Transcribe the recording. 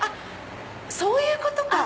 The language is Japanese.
そういうことか！